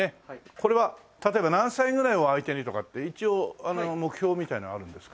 これは例えば何歳ぐらいを相手にとかって一応目標みたいなのはあるんですか？